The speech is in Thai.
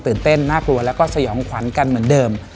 เต้นน่ากลัวแล้วก็สยองขวัญกันเหมือนเดิม